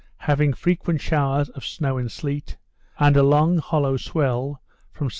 having frequent showers of snow and sleet, and a long hollow swell from S.S.